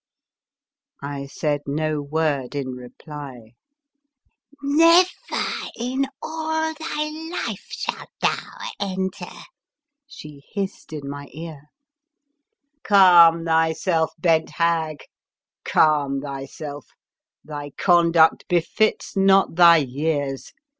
I said no word in reply. " Never in all thy life shalt thou enter!'' she hissed in my ear. " Calm thyself, bent hag, calm thy self; thy conduct befits not thy years!"